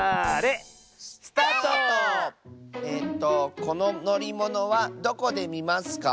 えとこののりものはどこでみますか？